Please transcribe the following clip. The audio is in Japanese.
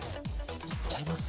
いっちゃいます？